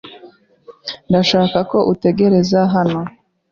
Ndashaka ko utegereza hano.